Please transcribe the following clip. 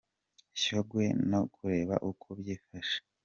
S Shyogwe ngo turebe uko byifashe.